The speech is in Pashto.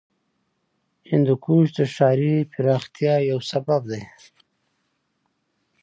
هندوکش د ښاري پراختیا یو سبب دی.